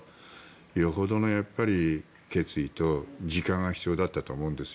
よほどの決意と時間が必要だったと思うんですよ。